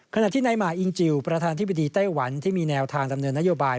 ขณะที่นายหมาอิงจิลประธานธิบดีไต้หวันที่มีแนวทางดำเนินนโยบาย